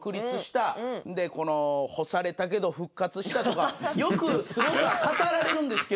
でこの干されたけど復活したとかよくすごさは語られるんですけど。